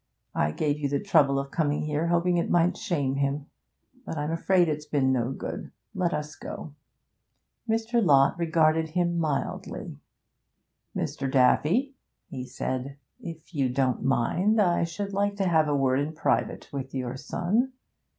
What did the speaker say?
I gave you the trouble of coming here hoping it might shame him, but I'm afraid it's been no good. Let us go.' Mr. Lott regarded him mildly. 'Mr. Daffy,' he said, 'if you don't mind, I should like to have a word in private with your son.